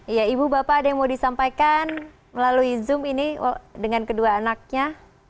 iya ibu bapak ada yang mau disampaikan melalui zoom ini dengan kedua anaknya